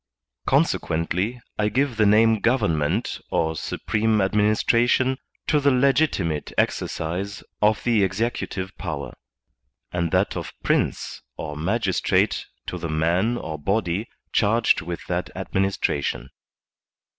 Consequently, I give the name government or supreme administration to the legitimate exercise of the executive power, and that of Prince or magistrate to the man or body charged with that administration.